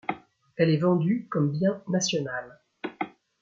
Elle est vendue comme bien national.